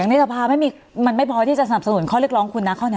อย่างนี้มันไม่พอที่จะสนับสนุนข้อเรียกร้องคุณนะ